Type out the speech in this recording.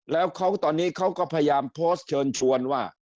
แล้วเขาตอนนี้เขาก็พยายามโพสต์เชิญชวนว่า